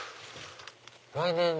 来年。